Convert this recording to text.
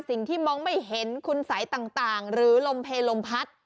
สิ่งที่มองไม่เห็นคุณสัยต่างหรือลมเพลลมพัด